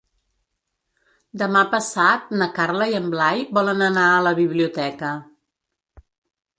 Demà passat na Carla i en Blai volen anar a la biblioteca.